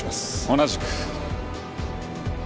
同じく。